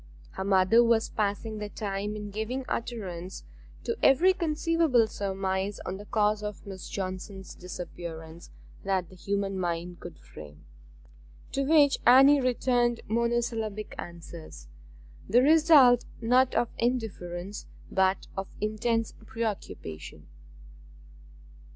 Her mother was passing the time in giving utterance to every conceivable surmise on the cause of Miss Johnson's disappearance that the human mind could frame, to which Anne returned monosyllabic answers, the result, not of indifference, but of intense preoccupation.